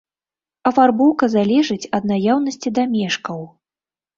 Афарбоўка залежыць ад наяўнасці дамешкаў.